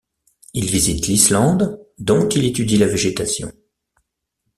Il visite l’Islande, dont il étudie la végétation.